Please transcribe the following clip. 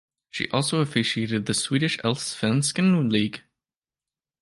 She also officiated in the Swedish Allsvenskan league.